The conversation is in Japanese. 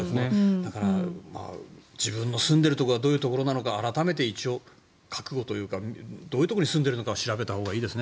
だから自分の住んでいるところはどういうところなのか一応、覚悟というかどういうところに住んでいるかは調べたほうがいいですね